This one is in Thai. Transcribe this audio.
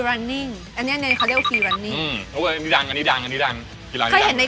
เราก็กำลึงสายผมเรียงไง